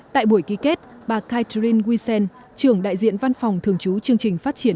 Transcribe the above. tại buổi ký kết bà catherine wiesen trưởng đại diện văn phòng thường chú chương trình phát triển